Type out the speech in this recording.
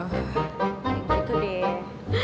kayak gitu deh